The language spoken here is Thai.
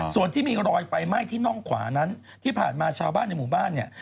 ส่วนที่มีรอยไฟไหม้ที่น่องขวานั้นที่ผ่านมาชาวบ้านในหมู่บ้านเนี่ย